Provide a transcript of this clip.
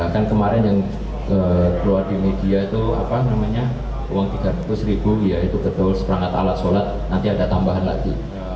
kan kemarin yang keluar di media itu uang tiga ratus ribu ya itu kepul seprangat alat sholat nanti ada tambahan lagi